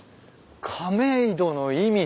亀戸の意味。